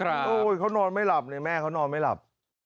โอ้โฮเขานอนไม่หลับแม่เขานอนไม่หลับ